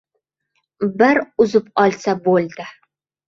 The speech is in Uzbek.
Bir uzib olsa bo‘ldi!